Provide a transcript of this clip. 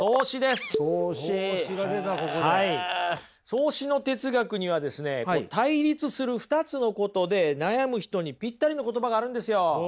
荘子の哲学にはですね対立する２つのことで悩む人にぴったりの言葉があるんですよ。